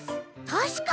たしかに！